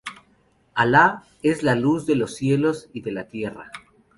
Alá es la Luz de los cielos y de la tierra.